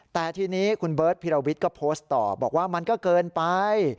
แต่ทีนี้คุณเบิร์ตพิรวิทย์ก็โพสต์ต่อบอกว่ามันก็เกินไป